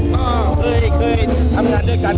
ก็เคยทำงานด้วยกัน